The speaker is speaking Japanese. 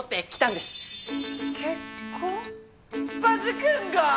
バズくんが！？